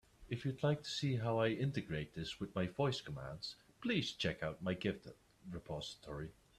If you'd like to see how I integrate this with my voice commands, please check out my GitHub repository.